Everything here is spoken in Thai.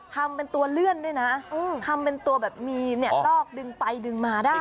ทำเป็นตัวเลื่อนด้วยนะทำเป็นตัวแบบมีเนี่ยลอกดึงไปดึงมาได้